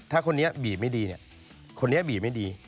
ถ้าคนนี้บีบไม่ดีเนี่ยคนนี้บีบไม่ดี